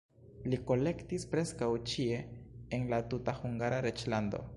Li kolektis preskaŭ ĉie en la tuta Hungara reĝlando.